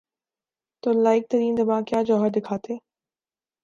تو لائق ترین دماغ کیا جوہر دکھاتے؟